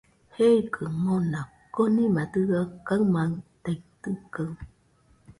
Jeikɨaɨ mona, konima dɨga kaɨmaitaitɨkaɨ